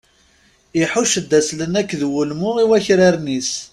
Iḥucc-d aslen akked wulmu i wakraren-is.